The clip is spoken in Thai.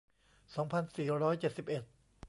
สองพันสี่ร้อยเจ็ดสิบเอ็ด